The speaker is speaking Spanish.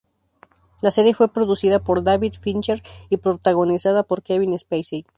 La serie fue producida por David Fincher y protagonizada por Kevin Spacey.